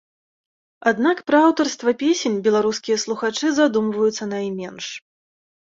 Аднак пра аўтарства песень беларускія слухачы задумваюцца найменш.